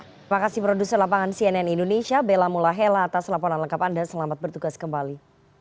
terima kasih produser lapangan cnn indonesia bella mulahela atas laporan lengkap anda selamat bertugas kembali